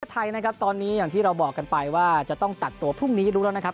ไทยนะครับตอนนี้อย่างที่เราบอกกันไปว่าจะต้องตัดตัวพรุ่งนี้รู้แล้วนะครับ